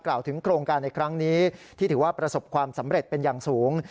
ถึงโครงการในครั้งนี้ที่ถือว่าประสบความสำเร็จเป็นอย่างสูง